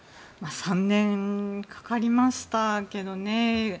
３年かかりましたけどね。